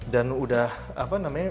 dan udah apa namanya